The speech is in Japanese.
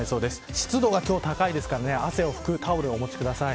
湿度が今日は高いですから汗を拭くタオルをお持ちください。